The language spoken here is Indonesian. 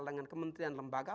dengan kementerian lembaga